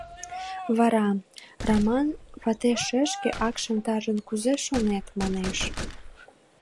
Вара, Раман вате шешке, акшым-таржым кузе шонет? — манеш.